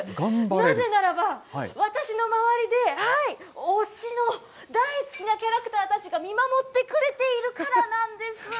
なぜならば、私の周りで、推しの、大好きなキャラクターたちが見守ってくれているからなんです。